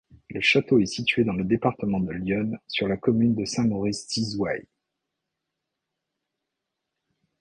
Le château est situé dans le département de l'Yonne, sur la commune de Saint-Maurice-Thizouaille.